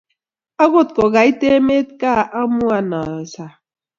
akot ko kait emet kaa amuan awe sang